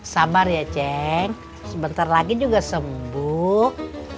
sabar ya ceng sebentar lagi juga sembuh